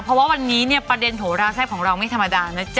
เพราะว่าวันนี้เนี่ยประเด็นโหราแซ่บของเราไม่ธรรมดานะจ๊